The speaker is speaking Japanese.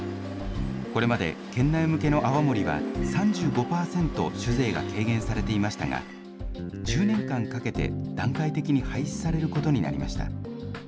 これまで県内向けの泡盛は、３５％酒税が軽減されていましたが、１０年間かけて、段階的に廃止されることになりました。